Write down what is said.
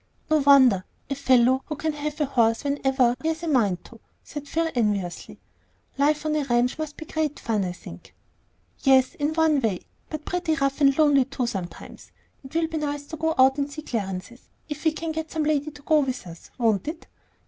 "No wonder; a fellow who can have a horse whenever he has a mind to," said Phil, enviously. "Life on a ranch must be great fun, I think." "Yes; in one way, but pretty rough and lonely too, sometimes. It will be nice to go out and see Clarence's, if we can get some lady to go with us, won't it?"